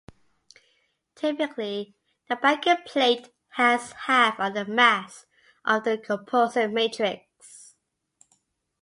Typically the backing plate has half of the mass of the composite matrix.